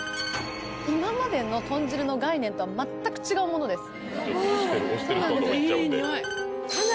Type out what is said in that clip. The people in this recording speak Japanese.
今までのとん汁の概念とは全く違うものです